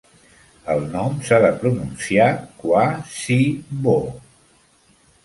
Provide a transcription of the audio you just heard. El nom s'ha de pronunciar "qua-zi-vo".